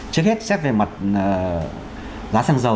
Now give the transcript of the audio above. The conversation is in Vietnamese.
trước hết xét về mặt giá xăng dầu